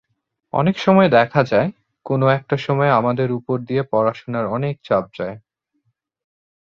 অনেক সময় দেখা যায়, কোনো একটা সময় আমাদের উপর দিয়ে পড়াশুনার অনেক চাপ যায়।